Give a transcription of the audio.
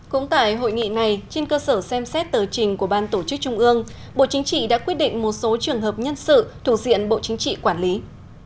cũng tại hội nghị này trên cơ sở xem xét tờ trình của ban tổ chức trung ương bộ chính trị đã quyết định một số trường hợp nhân sự thuộc diện bộ chính trị quản lý